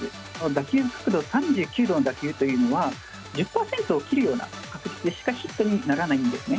打球角度３９度の打球というのは、１０％を切るような確率でしかヒットにならないんですね。